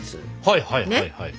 はいはいはい。